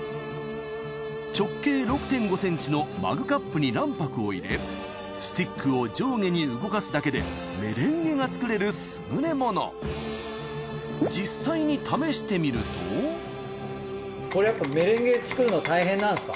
直径６．５センチのマグカップに卵白を入れスティックを上下に動かすだけでメレンゲが作れる優れものこれやっぱメレンゲ作るの大変なんですか？